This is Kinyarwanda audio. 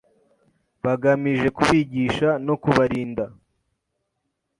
bagamije kubigisha no kubarinda,